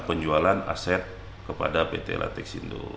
penilaian terhadap aset yang akan dipindahkan kepada pt latexindo